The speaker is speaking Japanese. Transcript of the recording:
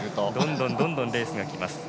どんどんレースがきます。